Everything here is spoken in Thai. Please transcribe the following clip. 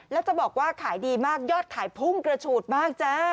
แล้วจะบอกว่าขายดีมากยอดขายพุ่งกระฉูดมากจ้า